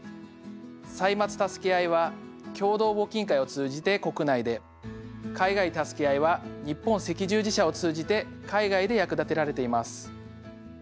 「歳末たすけあい」は共同募金会を通じて国内で「海外たすけあい」は日本赤十字社を通じて海外で役立てられています。